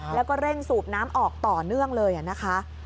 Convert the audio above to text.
แล้วก็เร่งสูบน้ำออกต่อเนื่องเลยนะคะ